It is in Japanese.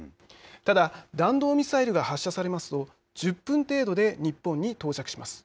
ただ弾道ミサイルが発射されますと１０分程度で日本に到着します。